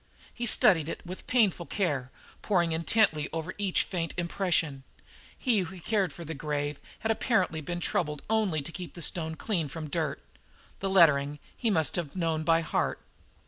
He studied it with painful care, poring intently over each faint impression. He who cared for the grave had apparently been troubled only to keep the stone free from dirt the lettering he must have known by heart.